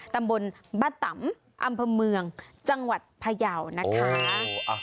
ตำบลบะตำอำเภอเมืองจังหวัดพยาวนะคะ